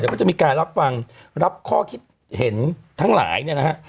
ก็จะมีการรับฟังรับข้อคิดเห็นทั้งหลายเนี่ยนะฮะ